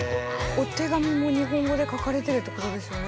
お手紙も日本語で書かれてるってことですよね？